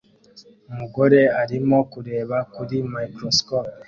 Umugore arimo kureba kuri microscope